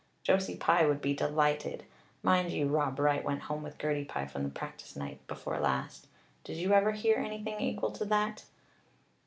Josie Pye would be delighted. Mind you, Rob Wright went home with Gertie Pye from the practice night before last. Did you ever hear anything equal to that?"